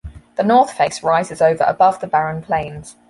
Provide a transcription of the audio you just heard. The north face rises over above the barren plains.